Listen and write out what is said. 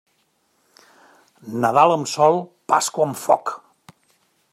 Nadal amb sol, Pasqua amb foc.